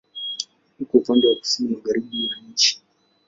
Uko upande wa kusini-magharibi ya nchi.